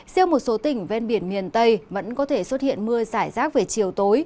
riêng một số tỉnh ven biển miền tây vẫn có thể xuất hiện mưa giải rác về chiều tối